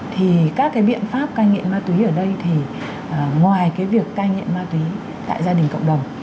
thì các cái biện pháp cai nghiện ma túy ở đây thì ngoài cái việc cai nghiện ma túy tại gia đình cộng đồng